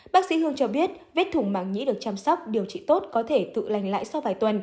bác sĩ hương cho biết vết thủng mạng nhí được chăm sóc điều trị tốt có thể tự lành lại sau vài tuần